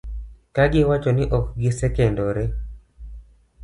ka giwacho ni ok gisekendore.